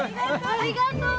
ありがとう。